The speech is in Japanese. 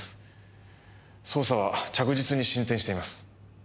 捜査は着実に進展しています。